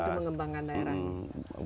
bantu mengembangkan daerah